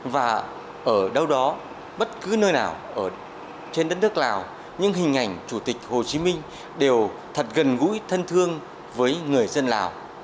và ở đâu đó bất cứ nơi nào trên đất nước lào những hình ảnh chủ tịch hồ chí minh đều thật gần gũi thân thương với người dân lào